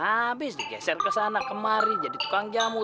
abis digeser kesana kemari jadi tukang jamu tuh